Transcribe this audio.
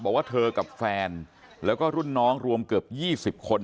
บอกว่าเธอกับแฟนแล้วก็รุ่นน้องรวมเกือบ๒๐คน